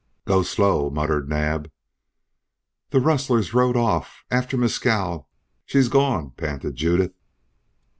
"Go slow," muttered Naab. "The rustlers rode off after Mescal she's gone!" panted Judith.